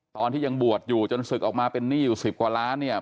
ตอนที่ยังบวชอยู่จนศึกออกมาเป็นหนี้อยู่๑๐กว่าล้านเนี่ย